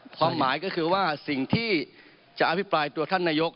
ความหมายก็คือว่าสิ่งที่จะอภิปรายตัวท่านนายก